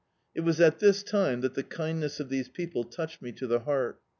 It was at this time that the kindness of these people touched me to the heart.